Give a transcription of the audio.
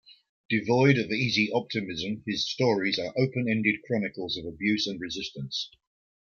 Devoid of easy optimism, his stories are open-ended chronicles of abuse and resistance.